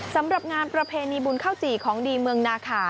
สำหรับงานประเพณีบุญข้าวจี่ของดีเมืองนาคา